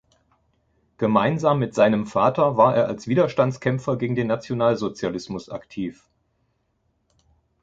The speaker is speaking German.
Gemeinsam mit seinem Vater war er als Widerstandskämpfer gegen den Nationalsozialismus aktiv.